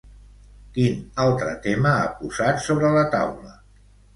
Quin altre tema ha posat sobre la taula?